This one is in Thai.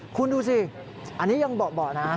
คุณดูสิอันนี้ยังเบาะนะ